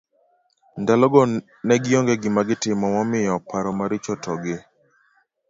Ndalo go ne gionge gima gitimo momiyo paro maricho to gi